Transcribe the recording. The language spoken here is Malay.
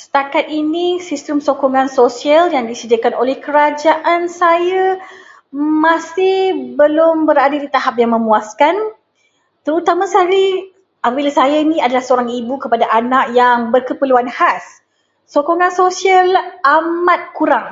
Setakat ini, sistem sokongan sosial yang disediakan oleh kerajaan saya masih belum berada di tahap memuaskan. Terutama sekali saya ini merupakan ibu kepada anak berkeperluan khas. Sokongan sosial amat kurang.